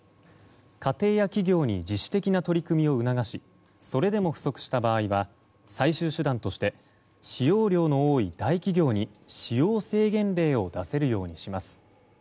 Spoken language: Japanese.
家庭や企業に自主的な取り組みを促しそれでも不足した場合は最終手段として使用量の多い大企業に使用制限令を出せるようにします。